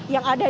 yang ada di